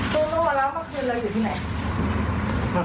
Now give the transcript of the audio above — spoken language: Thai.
คุณรู้แล้วเมื่อคืนเราอยู่ที่ไหน